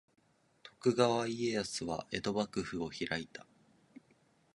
徳川家康は江戸幕府を開いた。